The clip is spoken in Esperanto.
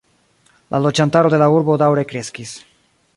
La loĝantaro de la urbo daŭre kreskis.